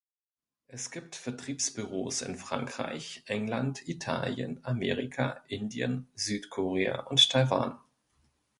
Es gibt Vertriebsbüros in Frankreich, England, Italien, Amerika, Indien, Südkorea und Taiwan.